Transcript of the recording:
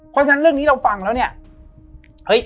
เพราะฉะนั้นเรื่องนี้เราฟังแล้วเนี่ย